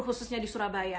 khususnya di surabaya